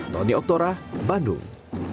tony oktora bandung